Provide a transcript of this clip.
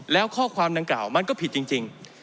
แล้วข้อความดังกล่าวมันก็ผิดจริง